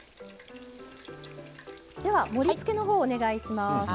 では盛りつけの方お願いします。